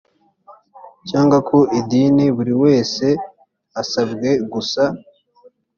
cyangwa ku idini buri wese asabwe gusa